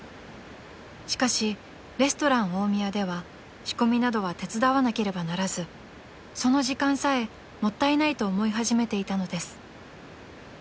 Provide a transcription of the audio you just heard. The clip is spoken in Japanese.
［しかしレストラン大宮では仕込みなどは手伝わなければならずその時間さえもったいないと思い始めていたのです］